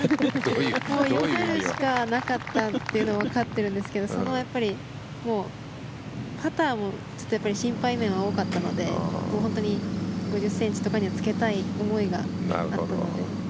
もう寄せるしかなかったというのはわかっているんですけどパターも心配面が多かったので５０ｃｍとかにつけたい思いがあったので。